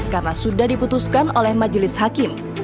karena sudah diputuskan oleh majelis hakim